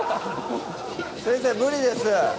先生無理です！